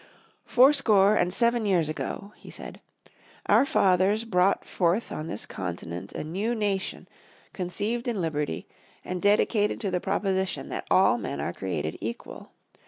"Fourscore and seven years ago," he said, "our fathers brought forth on this continent a new nation, conceived in liberty, and dedicated to the proposition that all men are equal.